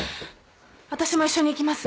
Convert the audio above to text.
私も一緒に行きます。